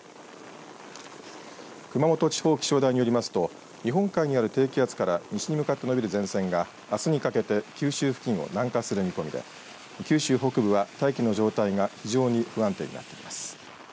熊本地方気象台によりますと日本海にある低気圧から西に向かって延びる前線があすにかけて九州付近を南下する見込みで九州北部は大気の状態が非常に不安定になっています。